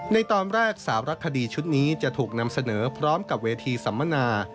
ในตอนแรกสารคดีชุดนี้จะถูกนำเสนอพร้อมกับเวทีสัมมนา